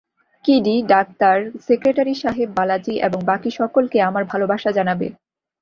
কিডি, doctor, secretary সাহেব, বালাজী এবং বাকী সকলকে আমার ভালবাসা জানাবে।